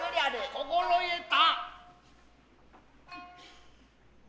心得た。